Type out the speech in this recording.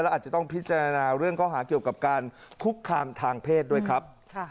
อาจจะต้องพิจารณาเรื่องข้อหาเกี่ยวกับการคุกคามทางเพศด้วยครับ